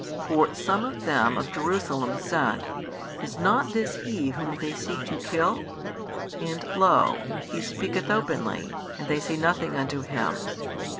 For some of them of Jerusalem said, Is not this He Whom they seek to kill? And lo, He speaketh openly, and they say nothing unto Him.